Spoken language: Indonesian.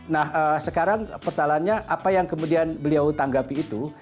nah sekarang persoalannya apa yang kemudian beliau tanggapi itu